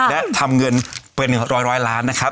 และทำเงินเป็นร้อยล้านนะครับ